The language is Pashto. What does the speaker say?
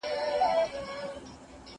کمپيوټر وايرس پاکوي.